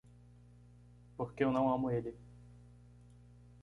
Porque eu não amo ele.